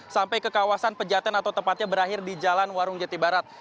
sampai ke kawasan pejaten atau tepatnya berakhir di jalan warung jati barat